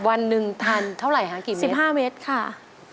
วันหนึ่งทานเท่าไหร่ครับกี่เมตรครับ๑๕เมตรค่ะ